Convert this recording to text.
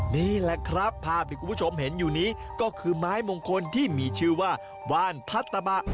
นี่แหละครับภาพที่คุณผู้ชมเห็นอยู่นี้ก็คือไม้มงคลที่มีชื่อว่าว่านพัตตะบะ